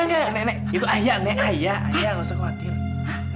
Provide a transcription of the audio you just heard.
nenek itu aya nek aya aya gak usah khawatir